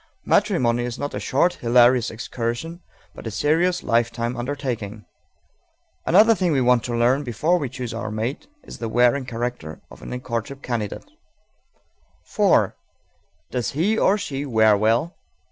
Matrimony is not a short, hilarious excursion, but a serious lifetime undertaking. Another thing we want to learn before we choose our mate is the wearing character of any courtship candidate. _4. Does he, or she, wear well?